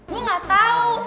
gue gak tau